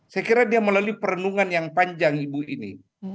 saya kira dia melalui perenungan yang panjang ibu ini